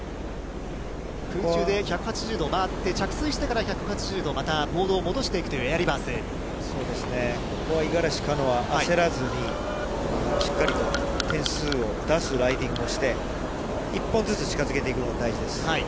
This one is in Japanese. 空中で１８０度回って、着水してから１８０度またボードを戻していくというエアーリバーそうですね、ここは五十嵐カノア、焦らずに、しっかりと点数を出すライディングをして、１本ずつ近づけていくのが大事です。